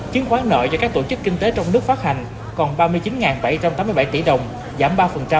chiến khoán nợ do các tổ chức kinh tế trong nước phát hành còn ba mươi chín bảy trăm tám mươi bảy tỷ đồng giảm ba